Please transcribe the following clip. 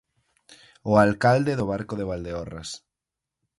O alcalde do Barco de Valdeorras.